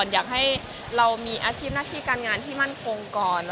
อยากให้เรามีอาชีพหน้าที่การงานที่มั่นคงก่อน